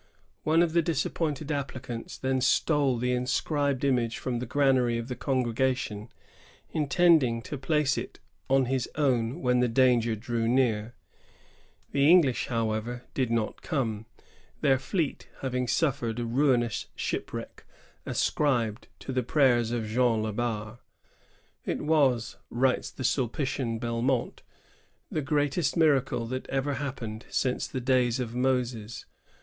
One of the disappointed applicants then stole the inscribed image from the granary of the Congregation, intending to place it on his own when the danger drew near. The EngUsh, however, did not come, their fleet having suffered a ruinous shipwreck ascribed to the prayers of Jeanne Le Ber. "It was," writes the Sulpitian Belmont, "the greatest miracle that ever happened since the 1662 1714.] Jeanne lje bM. l6l days of Moses."